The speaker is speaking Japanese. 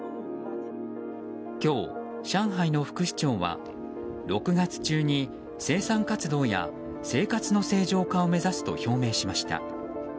今日、上海の副市長は６月中に生産活動や生活の正常化を目指すと表明しました。